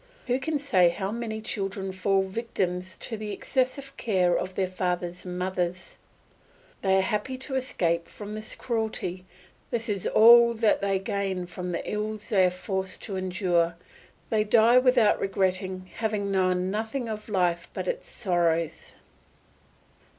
Who can say how many children fall victims to the excessive care of their fathers and mothers? They are happy to escape from this cruelty; this is all that they gain from the ills they are forced to endure: they die without regretting, having known nothing of life but its sorrows.